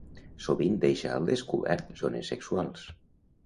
Sovint deixa al descobert zones sexuals.